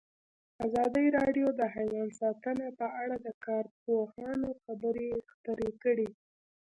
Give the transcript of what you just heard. ازادي راډیو د حیوان ساتنه په اړه د کارپوهانو خبرې خپرې کړي.